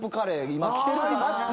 今きてるからって。